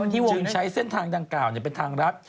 จึงใช้เส้นทางดังกล่าวเป็นทางรัฐ